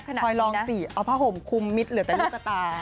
คอยลองสิเอาผ้าห่มคุมมิตรเหลือแต่ลูกตา